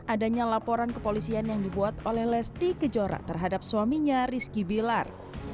adanya laporan kepolisian yang dibuat oleh lesti kejora terhadap suaminya rizky bilar